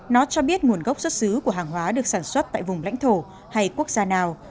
nó cho biết nguồn gốc xuất xứ của hàng hóa được sản xuất tại vùng lãnh thổ hay quốc gia nào